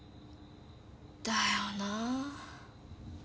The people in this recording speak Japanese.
だよなあ。